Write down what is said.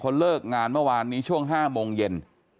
เขาเลิกงานเมื่อวานนี้ช่วง๕โมงเย็น